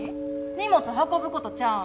荷物運ぶことちゃうん？